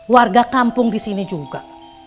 warga kampung di sini juga